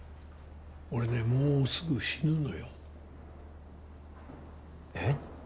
俺ねもうすぐ死ぬのよえっ！？